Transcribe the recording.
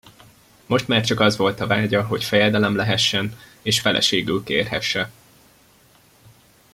Most már csak az volt a vágya, hogy fejedelem lehessen, és feleségül kérhesse.